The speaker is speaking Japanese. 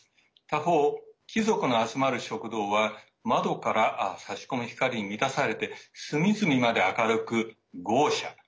他方、貴族の集まる食堂は窓から差し込む光に満たされて隅々まで明るく豪しゃ。